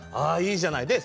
いいじゃない。